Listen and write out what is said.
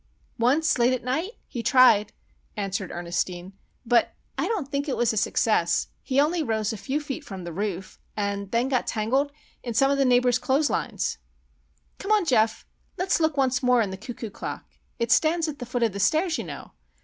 "Once, late at night, he tried," answered Ernestine. "But I don't think it was a success. He only rose a few feet from the roof, and then got tangled in some of the neighbours' clothes lines. Come on, Geof. Let's look once more in the cuckoo clock. It stands at the foot of the stairs, you know.